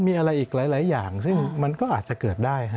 มีอะไรอีกหลายอย่างซึ่งมันก็อาจจะเกิดได้